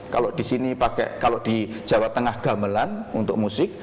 kalau di sini pakai kalau di jawa tengah gamelan untuk musik